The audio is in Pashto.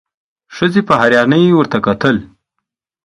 ښځې په حيرانۍ ورته کتل: